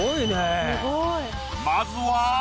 まずは。